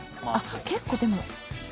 結構でも。